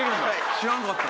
知らなかった。